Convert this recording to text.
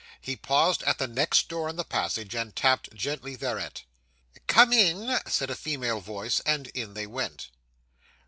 He paused at the next door in the passage, and tapped gently thereat. 'Come in,' said a female voice. And in they went.